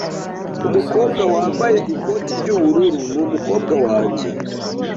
Umukobwa wambaye ikoti ry'ubururu ni umukobwa wanjye .